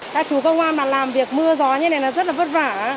các chú công an mà làm việc mưa gió như này nó rất là vất vả